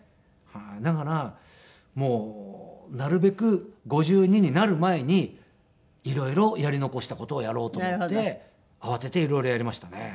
だからなるべく５２になる前に色々やり残した事をやろうと思って慌てて色々やりましたね。